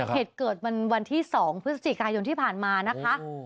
เหตุเกิดวันที่๒พฤศจิกายนที่ผ่านมานะคะ